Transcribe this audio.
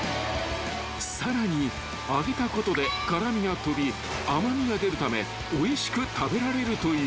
［さらに揚げたことで辛味が飛び甘味が出るためおいしく食べられるという］